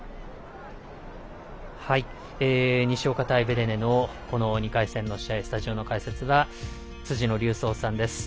西岡対ベデネの２回戦の戦い、スタジオの解説は辻野隆三さんです。